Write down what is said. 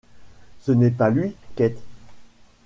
Ce n’est pas lui, Kate…